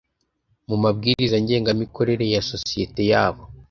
mu mabwiriza ngengamikorere ya sosiyete yabo